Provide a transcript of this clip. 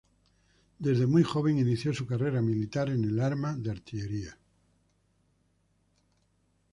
Desde muy joven inició su carrera militar en el arma de artillería.